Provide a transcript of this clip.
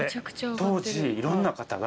当時いろんな方が。